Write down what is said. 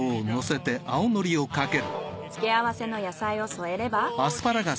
つけあわせの野菜を添えれば。